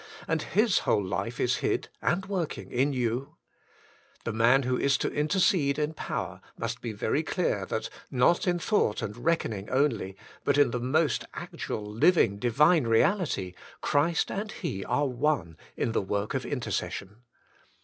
and His whole life is hid and working in you ? The man who is to intercede in power must be very clear that, not in thought and reckoning only, but in the most actual, living, divine reality, Christ and he are one in the work of intercession.